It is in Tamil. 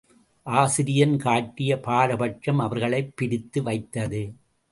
ஆசிரியன் காட்டிய பாரபட்சம் அவர்களைப் பிரித்து வைத்தது.